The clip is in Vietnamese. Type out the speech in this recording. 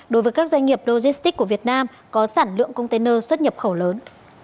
đối với các doanh nghiệp logistics của việt nam có sản lượng container xuất nhập khẩu lớn